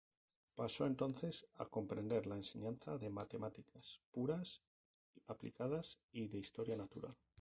Pasó entonces a comprender la enseñanza de matemáticas puras, aplicadas y de historia natural.